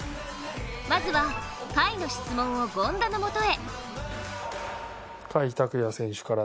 まずは甲斐の質問を権田のもとへ。